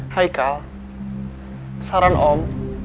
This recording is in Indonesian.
hai kal saran om